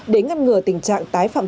để ngăn ngừa tình trạng tái phạm